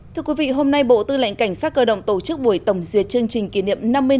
thưa quý vị hôm nay bộ tư lệnh cảnh sát cơ động tổ chức buổi tổng duyệt chương trình kỷ niệm năm mươi năm